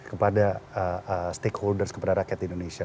kepada stakeholders kepada rakyat di indonesia